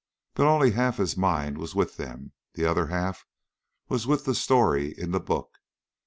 But only half his mind was with them. The other half was with the story in the book.